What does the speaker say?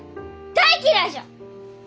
大嫌いじゃ！